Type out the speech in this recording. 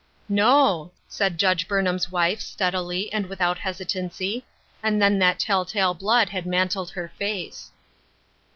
" No," said Judge Burnham's wife steadily, and without hesitancy ; and then that tell tale blood had mantled her face.